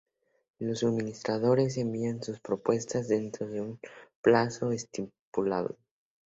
Los suministradores envían sus propuestas dentro de un plazo estipulado.